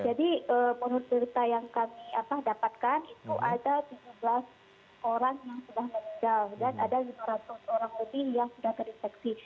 jadi menurut berita yang kami dapatkan itu ada tujuh belas orang yang sudah menjauh dan ada lima ratus orang lebih yang sudah terinfeksi